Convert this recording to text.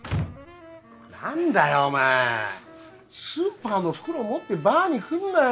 なんだよお前スーパーの袋持ってバーに来んなよ。